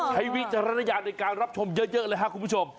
วิจารณญาณในการรับชมเยอะเลยครับคุณผู้ชม